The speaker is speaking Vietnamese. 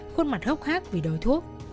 khuôn mặt hốc hát vì đòi thuốc